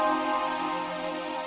dorong dengan bangkuk